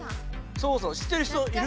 そうそう知ってる人いる？